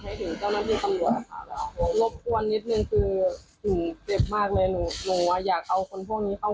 หนูไม่รู้ว่าวันไหนเขาจะมาทำร้ายหนูหรือเปล่า